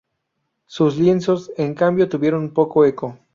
Sus lienzos, en cambio, tuvieron poco eco.